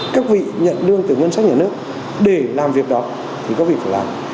các vị nhận đương từ nguyên sách nhà nước để làm việc đó thì các vị phải làm